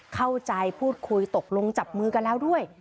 เข้าใจพูดคุยตกลงจับมือกันแล้วด้วย